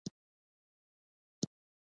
هغه سړی چې ښامار یې وژلی چيرته دی.